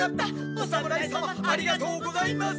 お侍様ありがとうございます。